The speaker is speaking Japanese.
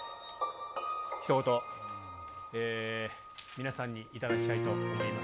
ひと言、皆さんに頂きたいと思います。